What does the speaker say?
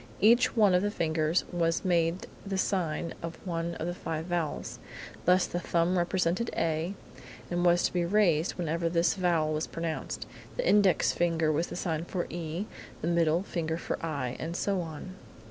Each one of the fingers was made the sign of one of the five vowels. Thus the thumb represented A and was to be raised whenever this vowel was pronounced; the index finger was the sign for E; the middle finger for I; and so on.